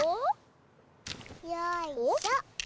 よいしょ！